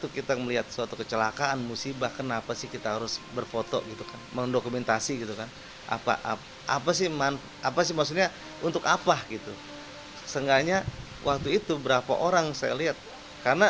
kini kasus kecelakaan maut masih di tangan nepalres subang dan baru menetapkan sopirnya menjadi tersangka